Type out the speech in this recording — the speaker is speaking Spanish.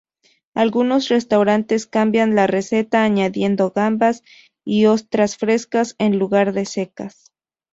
Algunos restaurantes cambian la receta añadiendo gambas y ostras frescas en lugar de secas.